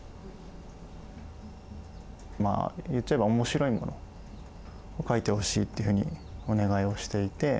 まあ言っちゃえば面白いものを書いてほしいっていうふうにお願いをしていて。